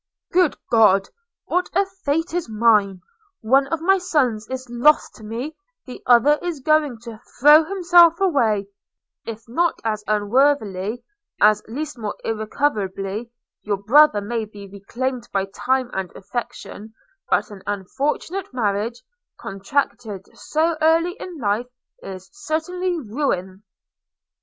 Good God! what a fate is mine! One of my sons is lost to me; the other is going to throw himself away, if not as unworthily, at least more irrecoverably: – your brother may be reclaimed by time and affection; but an unfortunate marriage, contracted so early in life, is certainly ruin.'